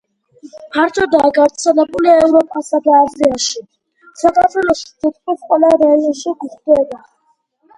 ფართოდაა გავრცელებული ევროპასა და აზიაში; საქართველოში თითქმის ყველა რაიონში გვხვდება.